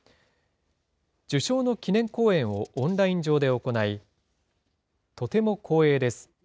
受賞の記念講演をオンライン上で行い、とても光栄です。